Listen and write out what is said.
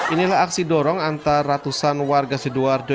inilah aksi dorong antar ratusan warga sidoarjo